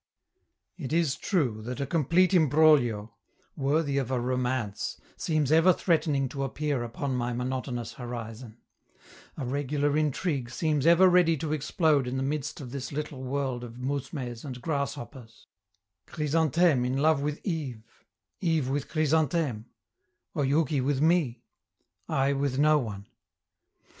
It is true that a complete imbroglio, worthy of a romance, seems ever threatening to appear upon my monotonous horizon; a regular intrigue seems ever ready to explode in the midst of this little world of mousmes and grasshoppers: Chrysantheme in love with Yves; Yves with Chrysantheme; Oyouki with me; I with no one.